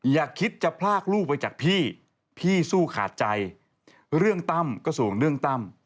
อย่าคิดจะพลากลูกไปจากพี่พี่สู้ขาดใจเรื่องตั้มก็สูงเรื่องตั้ม